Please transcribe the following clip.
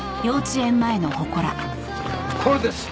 これです。